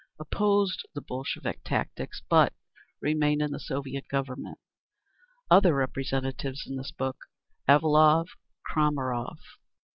Opposed the Bolshevik tactics, but remained in the Soviet Government. Other representatives in this book: Avilov, Kramarov.